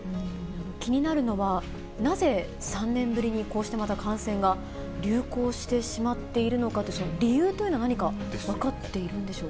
気になるのは、なぜ３年ぶりに、こうしてまた感染が流行してしまっているのかという、理由というのは何か分かっているんでしょうか。